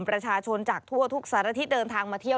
ประชาชนจากทั่วทุกสารทิศเดินทางมาเที่ยว